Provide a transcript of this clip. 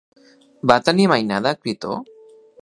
Va tenir mainada Critó?